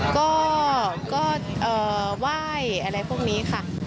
ก็ก็ว่ายอะไรพวกนี้ค่ะ